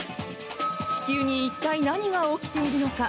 地球に一体、何が起きているのか。